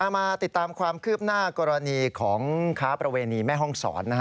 มาติดตามความคืบหน้ากรณีของค้าประเวณีแม่ห้องศร